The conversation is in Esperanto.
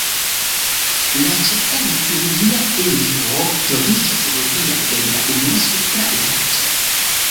La ĉefa liturgia ejo troviĝas hodiaŭ en la unua supra etaĝo.